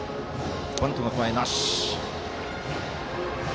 バントの構えなし。